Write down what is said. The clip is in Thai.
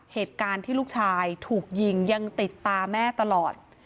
เหตุการณ์ที่ลูกชายถูกยิงยังติดตาแม่ตลอด